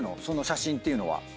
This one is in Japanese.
その写真っていうのは。